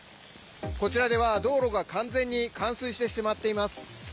こちらでは道路が完全に冠水してしまっています。